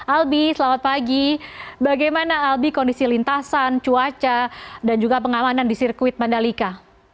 albi selamat pagi bagaimana albi kondisi lintasan cuaca dan juga pengamanan di sirkuit mandalika